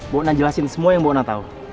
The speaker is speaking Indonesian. bok na jelasin semua yang bok na tau